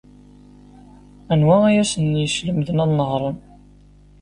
Anwa ay asen-yeslemden ad nehṛen?